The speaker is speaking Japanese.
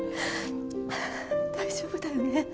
はぁ大丈夫だよね？